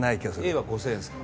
Ａは５０００円ですか？